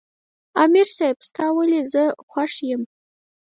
" امیر صېب ستا ولې زۀ خوښ یم" ـ